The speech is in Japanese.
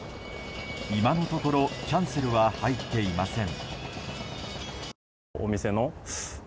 今のところキャンセルは入っていません。